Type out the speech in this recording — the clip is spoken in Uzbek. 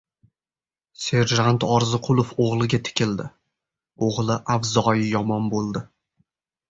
Serjant Orziqulov o‘g‘liga tikildi. O‘g‘li avzoyi yomon bo‘ldi.